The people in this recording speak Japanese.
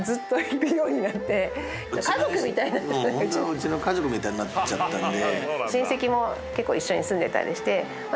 うちの家族みたいになっちゃったんで。